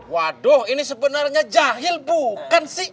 waduh ini sebenarnya jahil bukan sih